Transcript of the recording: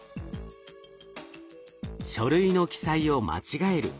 「書類の記載を間違える」。